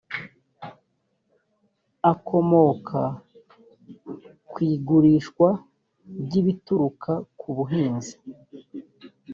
akomoka ku igurishwa ry ibituruka ku buhinzi